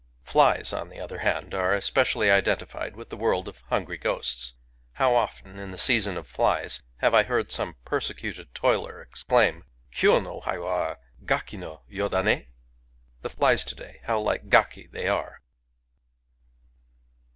Fli^s^pn the other hand, are especially identified with the world of hungry ghosts. How often, in the season of flies, have I heard some persecuted toiler exclaim, " Kyo no hat way gaki no yo da ni ?" (The flies to day, how like gaki they are!)